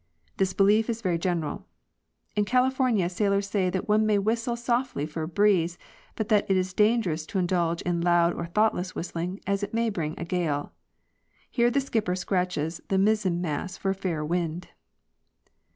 This belief is very general. In California sailors say that one may whistle softly for a breeze, but that it is dangerous to indulge in loud or thoughtless whistling, as it may bring a gale. Here the skipper scratches the mizzen mast for a fair wind.